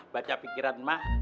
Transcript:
baca pikiran mak